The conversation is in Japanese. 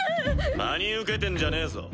真に受けてんじゃねぇぞ。